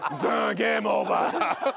ゲームオーバー。